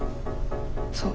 そう。